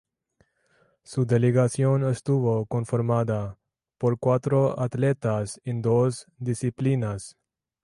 Su delegación estuvo conformada por cuatro atletas en dos disciplinas.